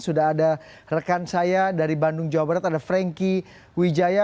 sudah ada rekan saya dari bandung jawa barat ada franky wijaya